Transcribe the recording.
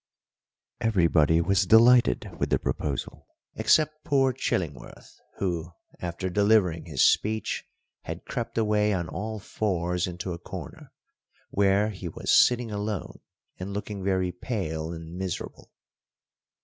Everybody was delighted with the proposal, except poor Chillingworth, who, after delivering his speech, had crept away on all fours into a corner, where he was sitting alone and looking very pale and miserable.